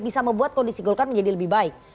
bisa membuat kondisi golkar menjadi lebih baik